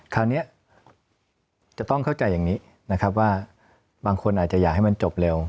คราวนี้จะต้องเข้าใจอย่างนี้นะครับว่าบางคนอาจจะอยากให้มันจบเร็ว